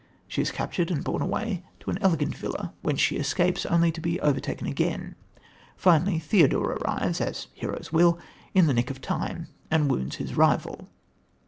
She is captured and borne away to an elegant villa, whence she escapes, only to be overtaken again. Finally, Theodore arrives, as heroes will, in the nick of time, and wounds his rival.